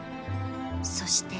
［そして］